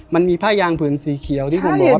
มันมีผ้ายางผืนสีเขียวที่ผมบอกว่า